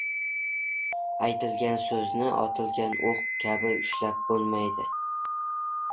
• Aytilgan so‘zni otilgan o‘q kabi ushlab bo‘lmaydi.